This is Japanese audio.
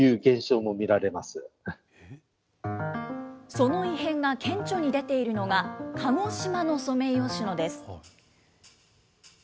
その異変が顕著に出ているのが、鹿児島のソメイヨシノです。